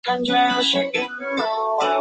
涂鸦很快已被黑色胶袋遮盖。